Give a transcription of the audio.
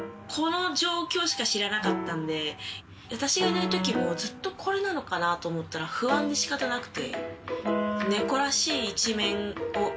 私がいないときもずっとこれなのかなと思ったら不安で仕方なくて。